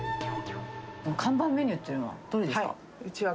看板メニューっていうのはどれですか？